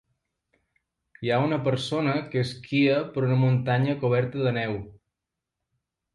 Hi ha una persona que esquia per una muntanya coberta de neu.